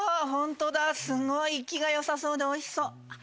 ホントだすごい生きが良さそうでおいしそう。